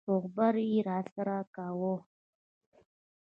روغبړ يې راسره کاوه.